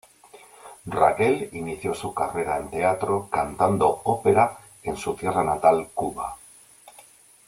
Raquel inició su carrera en teatro cantando ópera en su tierra natal Cuba.